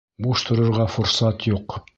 Буш торорға форсат юҡ